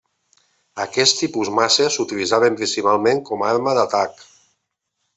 Aquests tipus maces s'utilitzaven principalment com a arma d'atac.